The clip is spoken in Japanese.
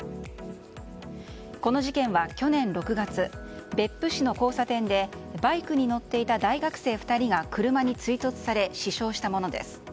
この事件は去年６月、別府市の交差点でバイクに乗っていた大学生２人が車に追突され死傷したものです。